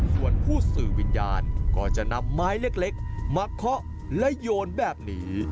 ส่วนผู้สื่อวิญญาณก็จะนำไม้เล็กมาเคาะและโยนแบบนี้